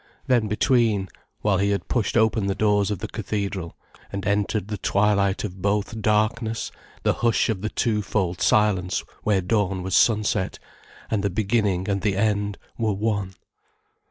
Then between—while he had pushed open the doors of the cathedral, and entered the twilight of both darkness, the hush of the two fold silence where dawn was sunset, and the beginning and the end were one.